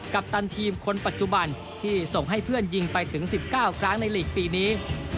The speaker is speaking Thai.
ปตันทีมคนปัจจุบันที่ส่งให้เพื่อนยิงไปถึง๑๙ครั้งในหลีกปีนี้